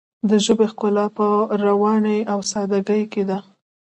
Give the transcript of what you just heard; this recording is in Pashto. د ژبې ښکلا په روانۍ او ساده ګۍ کې ده.